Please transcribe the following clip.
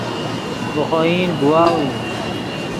ڤے خوئن گواؤو